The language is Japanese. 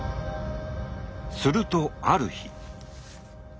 するとある日。